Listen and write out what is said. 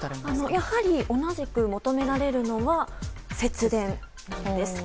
やはり同じく求められるのは節電なんです。